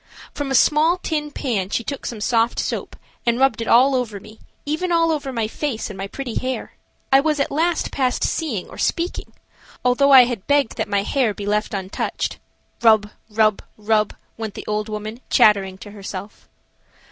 From a small tin pan she took some soft soap and rubbed it all over me, even all over my face and my pretty hair. I was at last past seeing or speaking, although I had begged that my hair be left untouched. Rub, rub, rub, went the old woman, chattering to herself.